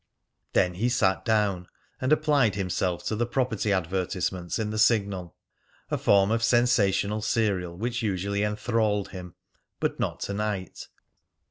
Then he sat down and applied himself to the property advertisements in the Signal, a form of sensational serial which usually enthralled him but not to night.